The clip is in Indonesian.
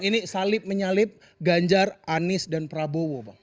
ini salib menyalip ganjar anies dan prabowo bang